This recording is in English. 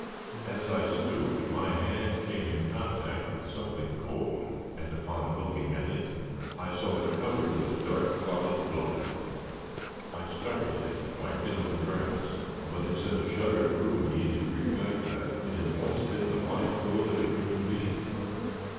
As I stooped, my hand came in contact with something cold, and upon looking at it, I saw it covered with dark clotted blood. I started, and wiped it on the grass, but it sent a shudder through me to reflect that it had once been the life fluid of a human being.